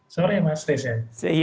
selamat sore pak stes